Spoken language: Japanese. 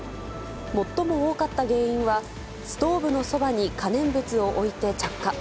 最も多かった原因は、ストーブのそばに可燃物を置いて着火。